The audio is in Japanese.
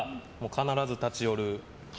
必ず立ち寄る。